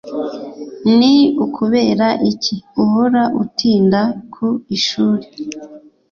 Ni ukubera iki uhora utinda ku ishuri